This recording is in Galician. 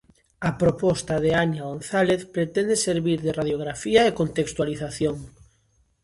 A proposta de Ania González pretende servir de radiografía e contextualización.